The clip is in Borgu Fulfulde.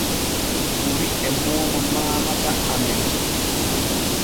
Kuuri e mooma mamata amene.